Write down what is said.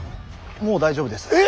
もう大丈夫です。